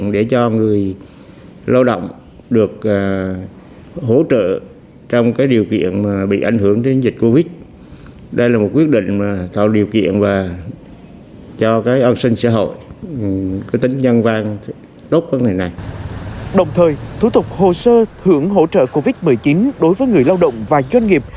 đồng thời thủ tục hồ sơ thưởng hỗ trợ covid một mươi chín đối với người lao động và doanh nghiệp